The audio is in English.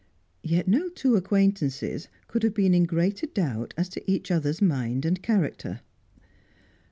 Yet no two acquaintances could have been in greater doubt as to each other's mind and character.